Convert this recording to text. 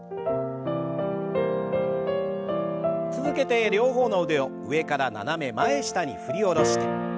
続けて両方の腕を上から斜め前下に振り下ろして。